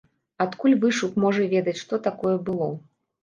Адкуль вышук можа ведаць, што такое было?